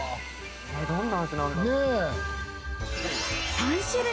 どんな味なんだろ。